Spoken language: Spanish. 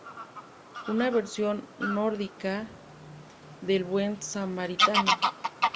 Una versión nórdica del Buen Samaritano.